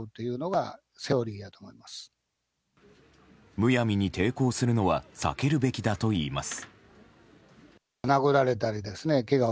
むやみに抵抗するのは避けるべきだといいます。